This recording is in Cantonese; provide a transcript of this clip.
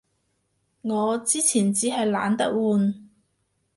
我之前衹係懶得換